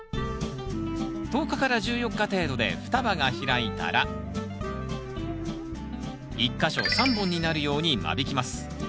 １０日から１４日程度で双葉が開いたら１か所３本になるように間引きます。